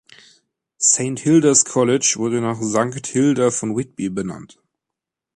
Saint Hilda's College wurde nach Sankt Hilda von Whitby benannt.